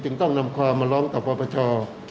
จึงต้องนำความมาร้องต่อประชา